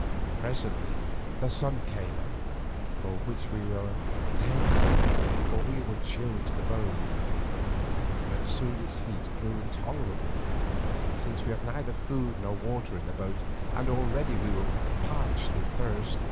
Presently the sun came up, for which at first we were thankful, for we were chilled to the bone, but soon its heat grew intolerable, since we had neither food nor water in the boat, and already we were parched with thirst.